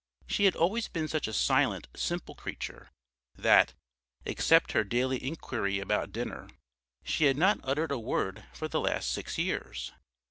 She had always been such a silent, simple creature that, except her daily inquiry about dinner, she had not uttered a word for the last six years.